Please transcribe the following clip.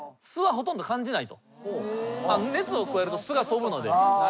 ほとんど感じない。